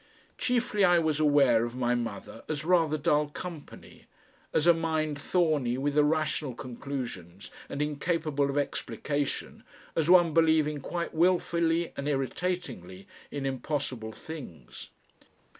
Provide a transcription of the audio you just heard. Chiefly I was aware of my mother as rather dull company, as a mind thorny with irrational conclusions and incapable of explication, as one believing quite wilfully and irritatingly in impossible things.